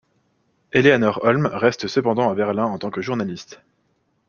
Eleanor Holm reste cependant à Berlin en tant que journaliste.